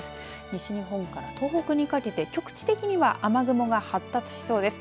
西日本から東北にかけて局地的には雨雲が発達しそうです。